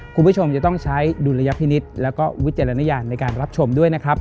คุณผู้ชมจะต้องใช้ดุลยพินิษฐ์แล้วก็วิจารณญาณในการรับชมด้วยนะครับ